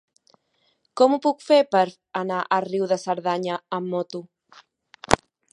Com ho puc fer per anar a Riu de Cerdanya amb moto?